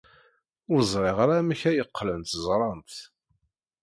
Ur ẓriɣ ara amek ay qqlent ẓrant.